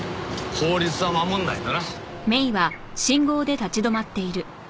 法律は守んないとな。